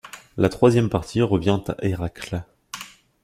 La troisième partie revient à Eracle.